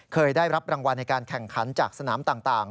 เคยได้รับรางวัลในการแข่งขันจากสนามต่าง